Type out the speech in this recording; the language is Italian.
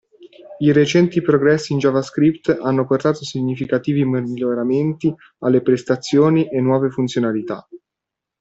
I recenti progressi in JavaScript hanno portato significativi miglioramenti alle prestazioni e nuove funzionalità.